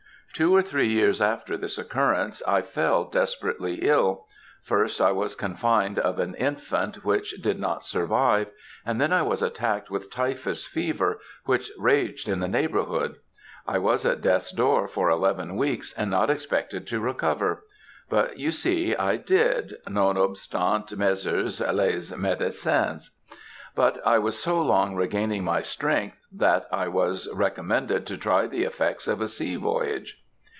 "Two or three years after this occurrence, I fell desperately ill; first I was confined of an infant which did not survive; and then I was attacked with typhus fever, which raged in the neighbourhood. I was at death's door for eleven weeks, and not expected to recover; but you see, I did, nonobstant messrs. les medicins; but I was so long regaining my strength, that I was recommended to try the effects of a sea voyage.